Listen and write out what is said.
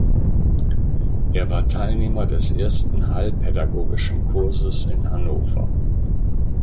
Er war Teilnehmer des ersten Heilpädagogischen Kurses in Hannover.